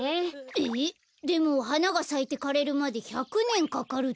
えっでもはながさいてかれるまで１００ねんかかるって。